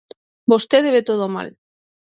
Vostede ve todo mal.